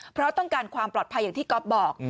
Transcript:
เพราะต้องการความปลอดภัยอย่างที่ก๊อฟบอก